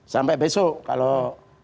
sampai besok kalau